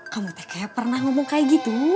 kamu teh kayak pernah ngomong kayak gitu